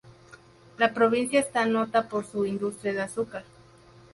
La provincia está nota por su industria de azúcar.